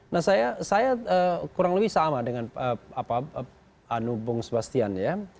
nah saya kurang lebih sama dengan anu bung sebastian ya